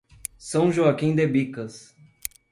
São Joaquim de Bicas